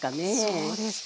そうですか。